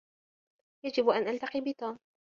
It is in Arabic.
يجب أن ألتقي بتوم.